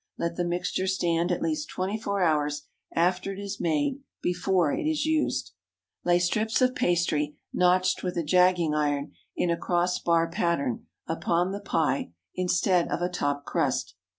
Let the mixture stand at least twenty four hours after it is made before it is used. Lay strips of pastry, notched with a jagging iron, in a cross bar pattern, upon the pie, instead of a top crust.